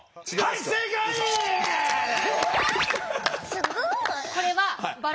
すごい！